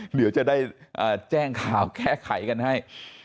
เหลือจะได้แจ้งข่าวแค้ยกันให้